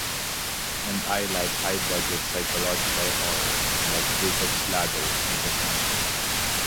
And I like high budget psychological horror like Jacob's Ladder and The Shining.